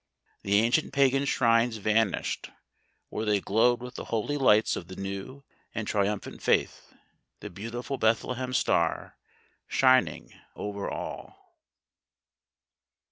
The ancient pagan shrines vanished, or they glowed with the holy lights of the new and triumphant faith — the beautiful Bethlehem Star shining over all.